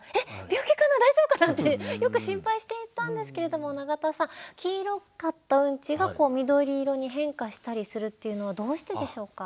病気かな大丈夫かなってよく心配していたんですけれども永田さん黄色かったウンチが緑色に変化したりするっていうのはどうしてでしょうか？